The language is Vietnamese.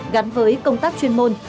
gắn với công tác chuyên môn